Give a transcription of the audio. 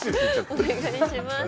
お願いします。